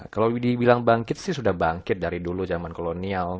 kalau dibilang bangkit sih sudah bangkit dari dulu zaman kolonial